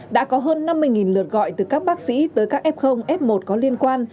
đã có hơn năm mươi lượt gọi từ các bác sĩ tới các f f một có liên quan